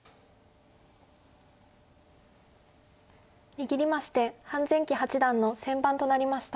握りまして潘善八段の先番となりました。